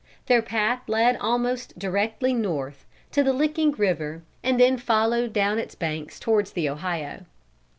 Their path led almost directly north, to the Licking River, and then followed down its banks towards the Ohio.